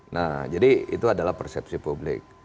nah jadi itu adalah persepsi publik